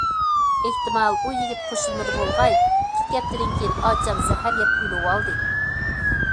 ئېھتىمال ئۇ يىگىت قوشۇلمىدى بولغاي، ئىككى ھەپتىدىن كېيىن ئاچام زەھەر يەپ ئۆلۈۋالدى.